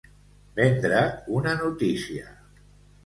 Vendre una notícia.